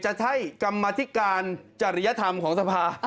จะใช่กรรมธิการจริยธรรมของสภา